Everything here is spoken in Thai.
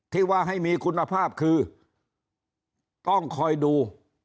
ที่ว่าให้มีคุณภาพคือต้องคอยดู